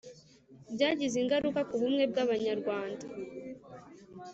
byagize ingaruka ku bumwe bw'abanyarwanda: